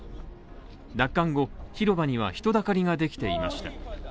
奪還後、広場には人だかりができていました。